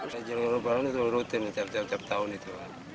perahu perahu ini rutin tiap tiap tahun itu